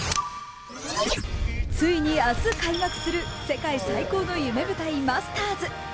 ついに明日開幕する世界最高の夢舞台、マスターズ。